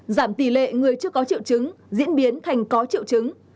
giảm tỷ lệ người chưa có triệu chứng diễn biến thành có triệu chứng